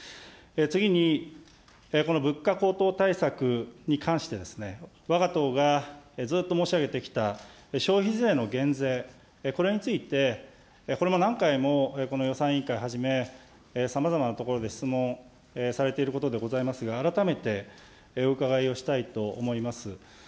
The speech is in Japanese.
次に、この物価高騰対策に関して、わが党がずっと申し上げてきた、消費税の減税、これについて、これも何回もこの予算委員会はじめ、さまざまなところで質問されていることでございますが、改めてお伺いをしたいと思います。